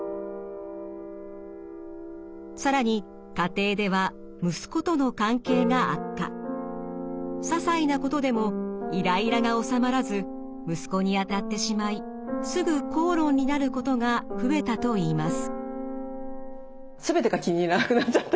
更に家庭ではささいなことでもイライラが収まらず息子に当たってしまいすぐ口論になることが増えたといいます。